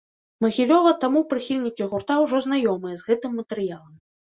Магілёва, таму прыхільнікі гурта ўжо знаёмыя з гэтым матэрыялам.